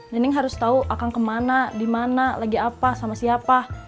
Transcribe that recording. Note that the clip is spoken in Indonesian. neneng harus tahu akan kemana di mana lagi apa sama siapa